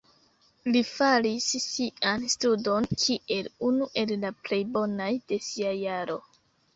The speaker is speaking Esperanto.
Li faris sian studon kiel unu el la plej bonaj de sia jaro.